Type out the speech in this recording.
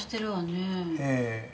ええ。